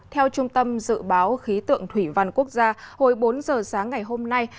theo trung tâm dự báo khí tượng thủy văn quốc gia hồi bốn giờ sáng ngày hôm nay